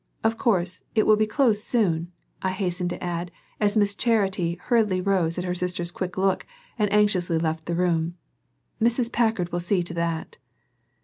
Of course, it will be closed soon," I hastened to add as Miss Charity hurriedly rose at her sister's quick look and anxiously left the room. "Mrs. Packard will see to that."